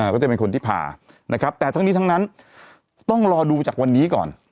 ก็จะเป็นคนที่พานะครับแต่ทั้งนี้ทั้งนั้นต้องรอดูจากวันนี้ก่อน